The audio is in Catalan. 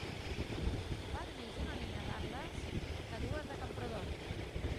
Val més una nina d'Arles que dues de Camprodon.